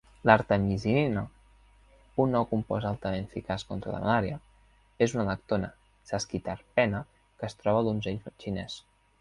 L'artemisinina, un nou compost altament eficaç contra la malària, és una lactona sesquiterpena que es troba al donzell xinès.